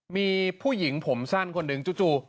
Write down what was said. มีผู้หญิงผมสั้นคนหนึ่งจู่